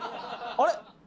あれ？